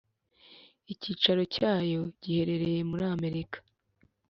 icyicaro cyayo giherereye muri amerika